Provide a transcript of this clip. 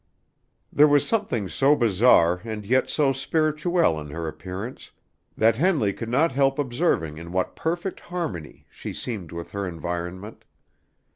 There was something so bizarre and yet so spirituelle in her appearance that Henley could not help observing in what perfect harmony she seemed with her environment.